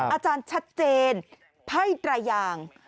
อาจารย์ชัดเจนไพร่๓อย่าง